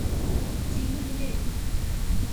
ジングルベル